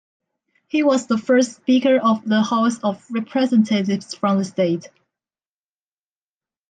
He was the first Speaker of the House of Representatives from the state.